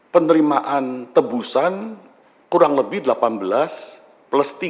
penerimaan tebusan kurang lebih delapan belas plus tiga